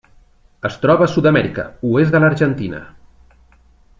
Es troba a Sud-amèrica: oest de l'Argentina.